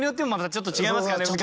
ちょっと違いますからね。